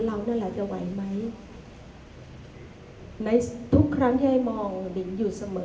ได้ขนาดนี้เรานั่นล่ะจะไหวไหมในทุกครั้งที่ไอ้มองบิ๋นอยู่เสมอ